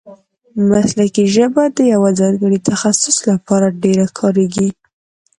مسلکي ژبه د یوه ځانګړي تخصص له پاره ډېره کاریږي.